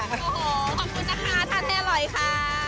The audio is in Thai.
โอ้โหขอบคุณนะคะทานให้อร่อยค่ะ